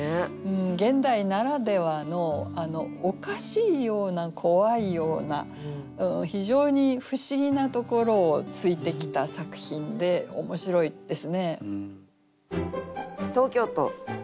現代ならではのおかしいような怖いような非常に不思議なところを突いてきた作品で面白いですね。